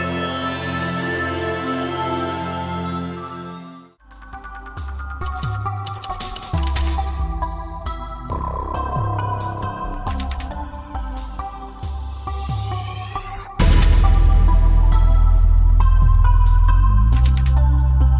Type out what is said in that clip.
โปรดติดตามต่อไป